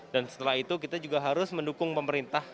dan setelah itu kita juga harus mendukung pemerintah